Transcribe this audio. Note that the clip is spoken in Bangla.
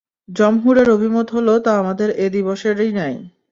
জমহুর-এর অভিমত হলো তা আমাদের এ দিবসেরই ন্যায়।